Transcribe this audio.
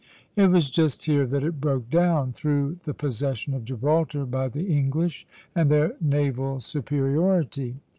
It was just here that it broke down, through the possession of Gibraltar by the English, and their naval superiority.